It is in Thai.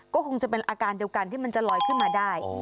ก็คงจะเป็นอาการเดียวกันที่มันจะลอยขึ้นมาได้